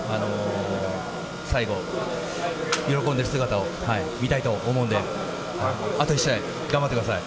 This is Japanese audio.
最後、喜んでる姿を見たいと思うんで、あと１試合、頑張ってください。